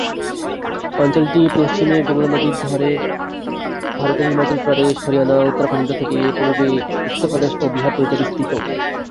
অঞ্চলটি পশ্চিমে যমুনা নদী ধরে ভারতের হিমাচল প্রদেশ, হরিয়ানা, উত্তরাখণ্ড থেকে পূর্বে উত্তরপ্রদেশ ও বিহার পর্যন্ত বিস্তৃত।